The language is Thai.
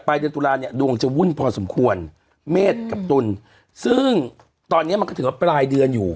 เดือนตุลาเนี่ยดวงจะวุ่นพอสมควรเมษกับตุลซึ่งตอนเนี้ยมันก็ถือว่าปลายเดือนอยู่